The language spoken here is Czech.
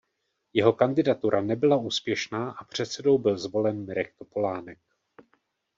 Jeho kandidatura nebyla úspěšná a předsedou byl zvolen Mirek Topolánek.